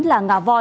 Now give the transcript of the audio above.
là ngà voi